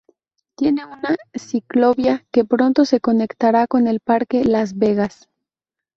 Tiene una ciclovía que pronto se conectará con el Parque Las Vegas.